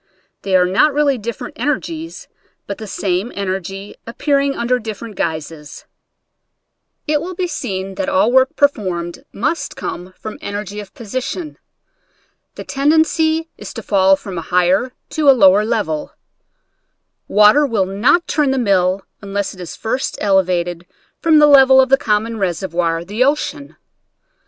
They are not really different energies, hut the same energy appearing un der different guises. It will be seen that all work performed must come from energy of position. The tendency 35 Original from UNIVERSITY OF WISCONSIN 3G nature's /ISiracIee. is to fall from a higher to a lower level. Water will not turn the mill unless it is first elevated from the level of the common reservoir, the ocean.